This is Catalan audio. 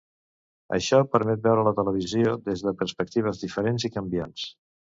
Això permet veure la televisió des de perspectives diferents i canviants.